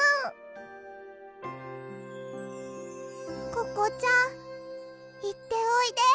ココちゃんいっておいで。